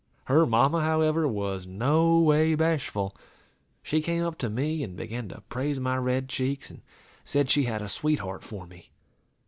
Her mamma, however, was no way bashful. She came up to me, and began to praise my red cheeks, and said she had a sweetheart for me.